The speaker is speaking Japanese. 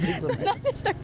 何でしたっけ？